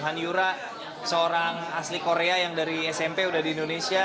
hanyura seorang asli korea yang dari smp udah di indonesia